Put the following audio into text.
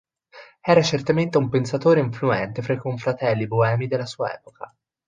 Era certamente un pensatore influente fra i confratelli boemi della sua epoca.